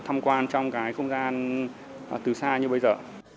tham quan trong cái không gian từ xa như bây giờ